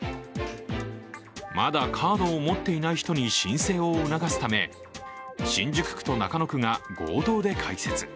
まだカードを持っていない人に申請を促すため、新宿区と中野区が合同で開設。